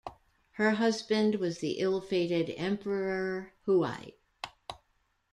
Her husband was the ill-fated Emperor Huai.